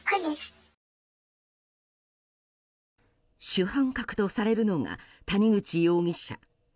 主犯格とされるのが谷口容疑者。